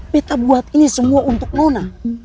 kita buat ini semua untuk nona